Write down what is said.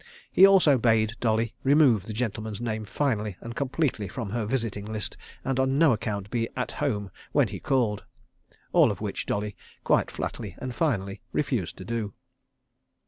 He also bade Dolly remove the gentleman's name finally and completely from her visiting list, and on no account be "at home" when he called. All of which Dolly quite flatly and finally refused to do.